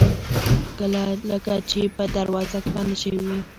لکه چې په دروازه کې بنده شوې وي